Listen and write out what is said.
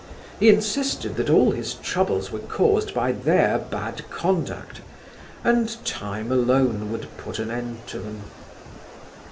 He insisted that all his troubles were caused by their bad conduct, and time alone would put an end to them.